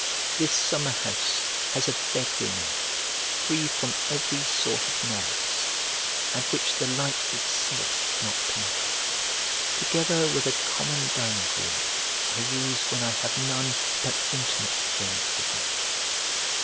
This summer house has a bed room in it free from every sort of noise, and which the light itself cannot penetrate, together with a common dining room I use when I have none but intimate friends with me.